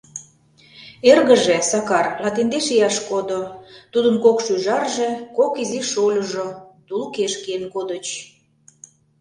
Эргыже, Сакар, латиндеш ияш кодо, тудын кок шӱжарже, кок изи шольыжо тулыкеш киен кодыч.